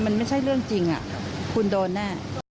มันไม่ใช่เรื่องจริงคุณโดนแน่